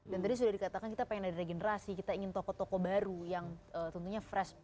dan tadi sudah dikatakan kita ingin ada generasi kita ingin tokoh tokoh baru yang tentunya fresh